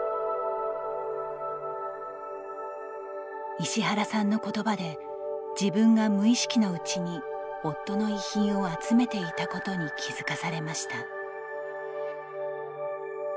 石原さんのことばで自分が無意識のうちに夫の遺品を集めていたことに気付かされました。